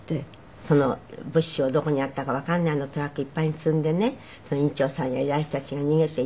その物資をどこにあったかわかんないのをトラックいっぱいに積んでね院長さんや偉い人たちが逃げて行って。